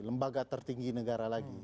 lembaga tertinggi negara lagi